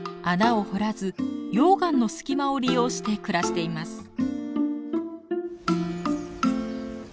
穴を掘らず溶岩の隙間を利用して暮らしています。